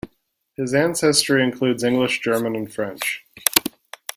His ancestry includes English, German, and French.